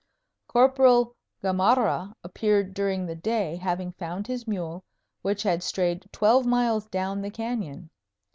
Corporal Gamarra appeared during the day, having found his mule, which had strayed twelve miles down the canyon.